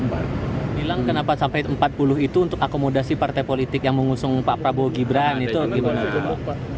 bang bilang kenapa sampai empat puluh itu untuk akomodasi partai politik yang mengusung pak prabowo gibran itu gimana tuh